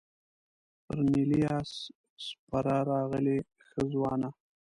پر نیلي آس سپره راغلې ښه ځوانه.